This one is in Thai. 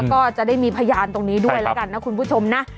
ก็จะได้มีพยานตรงนี้ด้วยแล้วกันนะคุณผู้ชมนะ